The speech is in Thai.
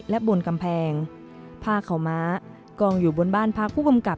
และบนกำแพงผ้าขาวม้ากองอยู่บนบ้านพักผู้กำกับ